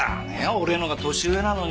俺のほうが年上なのによ。